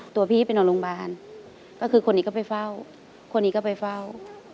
ตัวพี่ไปนอนโรงพยาบาลก็คือคนนี้ก็ไปเฝ้าคนนี้ก็ไปเฝ้า